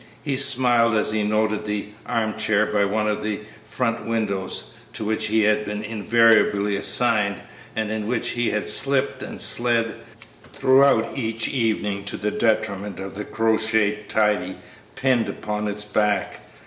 He smiled as he noted the arm chair by one of the front windows, to which he had been invariably assigned and in which he had slipped and slid throughout each evening to the detriment of the crocheted "tidy" pinned upon its back.